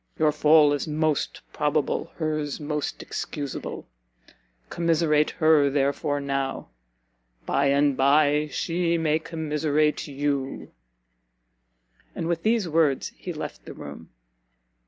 Your fall is most probable, her's most excusable; commiserate her therefore now, by and by she may commiserate you?" And with these words he left the room.